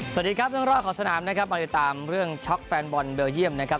สวัสดีครับเรื่องรอบของสนามนะครับมาติดตามเรื่องช็อกแฟนบอลเบลเยี่ยมนะครับ